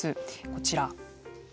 こちら。